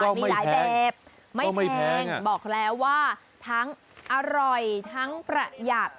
มีหลายแบบไม่แพงบอกแล้วว่าทั้งอร่อยทั้งประหยัด